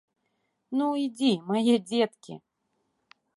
Ну, ідзі, мае дзеткі!